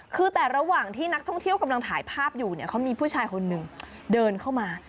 คือแต่ระหว่างที่นักท่องเที่ยวกำลังถ่ายภาพอยู่เนี่ยเขามีผู้ชายคนหนึ่งเดินเข้ามา